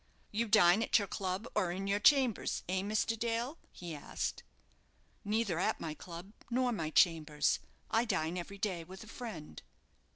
"You dine at your club, or in your chambers, eh, Mr. Dale?" he asked. "Neither at my club, nor my chambers; I dine every day with a friend."